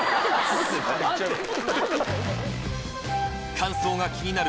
乾燥が気になる